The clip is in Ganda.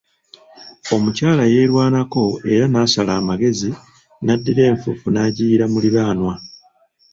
Omukyala yeerwanako era naasala amagezi naddira enfuufu naagiyiira muliraanwa.